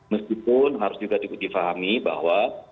meskipun harus juga difahami bahwa